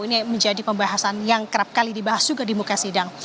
ini menjadi pembahasan yang kerap kali dibahas juga di muka sidang